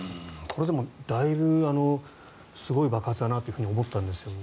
でも、だいぶすごい爆発だなと思ったんですが。